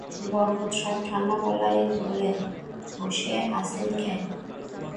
বরকত সাহেব ঠাণ্ডা গলায় বললেন, বসে আছেন কেন?